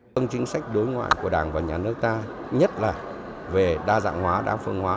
trong chính sách đối ngoại của đảng và nhà nước ta nhất là về đa dạng hóa đa phương hóa